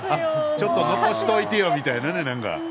ちょっと残しておいてよみたいなね、なんか。